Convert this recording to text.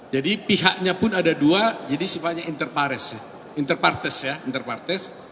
jadi pihaknya pun ada dua jadi sifatnya interpares ya interpartes ya interpartes